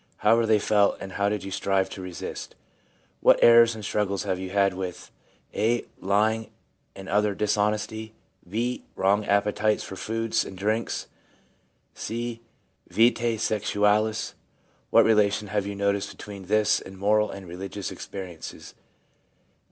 How were they felt, and how did you strive to resist ? What errors and struggles have you had with (a) lying and other dishonesty, (b) wrong appetites for foods and drinks, (c) vita sexualis ; what relation have you noticed between this and moral and religious experiences